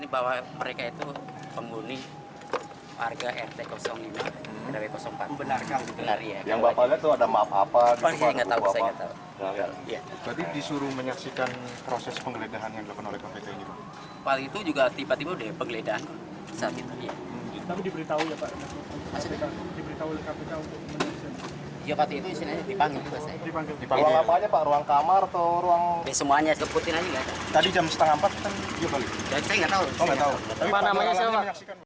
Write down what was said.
berita terkini mengenai cuaca ekstrem di jalan mikasa blok d dua